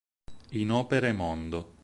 In "Opere mondo.